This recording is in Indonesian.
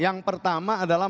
yang pertama adalah